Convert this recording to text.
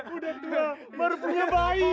udah tua baru punya bayi